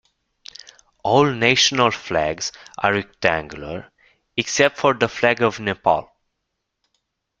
All national flags are rectangular, except for the flag of Nepal.